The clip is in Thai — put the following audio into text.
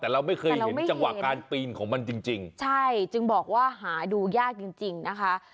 แต่เราไม่เคยเห็นจังหวะการปีนของมันจริงจริงใช่จึงบอกว่าหาดูยากจริงจริงนะคะ